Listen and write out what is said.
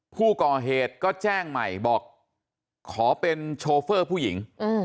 ผู้ก่อเหตุก็แจ้งใหม่บอกขอเป็นโชเฟอร์ผู้หญิง